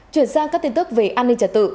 chuyển sang các tin tức về an ninh trật tự